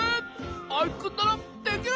アイくんならできる！